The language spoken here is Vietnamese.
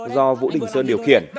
do vũ đình sơn điều khiển